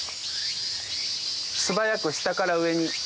素早く下から上に。